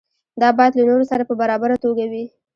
دا باید له نورو سره په برابره توګه وي.